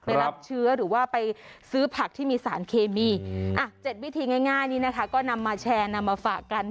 รับเชื้อหรือว่าไปซื้อผักที่มีสารเคมี๗วิธีง่ายนี้นะคะก็นำมาแชร์นำมาฝากกัน